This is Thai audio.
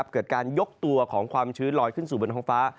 เกิดการยกตัวของความชื้นลอยขึ้นสู่บนท้องฟ้า